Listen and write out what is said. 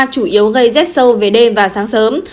chủ yếu gây rét sâu về đêm và sáng sớm